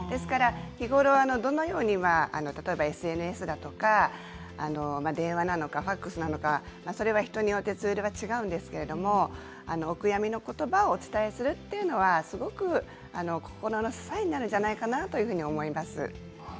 日頃どのように例えばＳＮＳとか電話なのかファックスなのか人によってツールは違うんですけれどもお悔やみのことばをお伝えするというのはすごく心の支えになるんじゃないかなと思います。